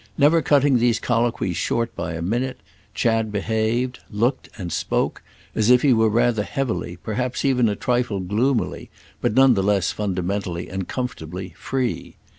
Never cutting these colloquies short by a minute, Chad behaved, looked and spoke as if he were rather heavily, perhaps even a trifle gloomily, but none the less fundamentally and comfortably free.